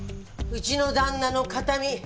うちの旦那の形見。